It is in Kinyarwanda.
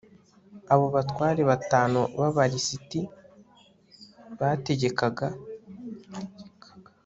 abo batware batanu b'abafilisiti bategekaga